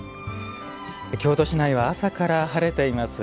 京都市内は朝から晴れています。